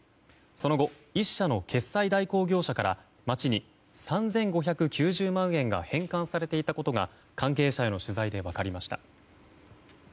その後、１社の決済代行業者から町に３５９０万円が返還されていたことが関係者への取材で分かりました。